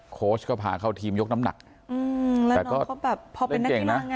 โค้ชก็พาเข้าทีมยกน้ำหนักอืมแล้วน้องเขาแบบพอเป็นนักกีฬาง่าย